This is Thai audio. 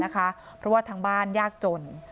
เพราะว่าทางบ้านยากจน